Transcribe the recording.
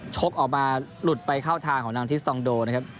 ชกออกมาหลุดไปเข้าทางของนางทิศตองโด